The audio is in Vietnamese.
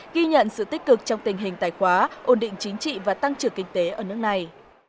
ghi nhận sự tích cực trong tình hình tài khoá ổn định chính trị và tăng trưởng kinh tế ở nước này